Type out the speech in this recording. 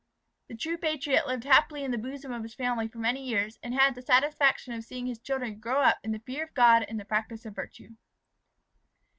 This true patriot lived happily in the bosom of his family for many years, and had the satisfaction of seeing his children grow up in the fear of God and the practice of virtue.